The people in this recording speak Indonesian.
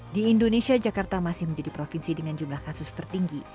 di indonesia jakarta masih menjadi provinsi dengan jumlah kasus tertinggi